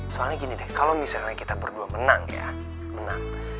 soalnya gini deh kalau misalnya kita berdua menang ya menang